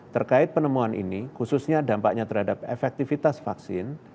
terkait penemuan ini khususnya dampaknya terhadap efektivitas vaksin